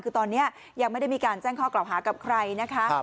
คือตอนนี้ยังไม่ได้มีการแจ้งข้อกล่าวหากับใครนะคะ